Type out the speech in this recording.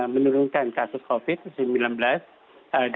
menurunkan kasus covid